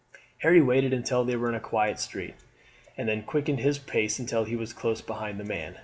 Harry waited until they were in a quiet street, and then quickened his pace until he was close behind the man.